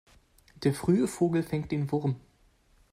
Der frühe Vogel fängt den Wurm.